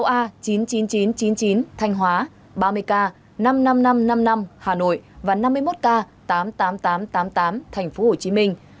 ba mươi sáu a chín mươi chín nghìn chín trăm chín mươi chín thanh hóa ba mươi k năm nghìn năm trăm năm mươi năm hà nội và năm mươi một k tám nghìn tám trăm tám mươi tám thành phố hồ chí minh